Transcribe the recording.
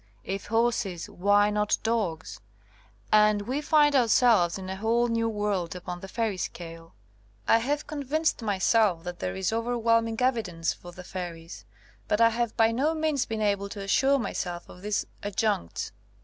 If horses, why not dogs ? And we find ourselves in a whole new world upon the fairy scale. I have convinced myself that there is overwhelming evidence for the fairies, but I have by no means been able to assure myself of these adjuncts.